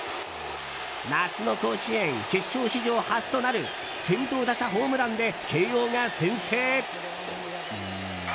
夏の甲子園決勝史上初となる先頭打者ホームランで慶應が先制。